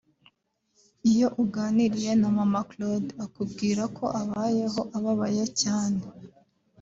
Iyo uganiriye na Mama Claude akubwira ko abayeho ababaye cyane